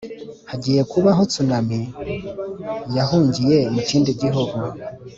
hagiye kubaho tsunami yahungiye mu kindi gihugu